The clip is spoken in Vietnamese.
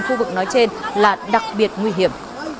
khu vực nói trên là đặc biệt nguy hiểm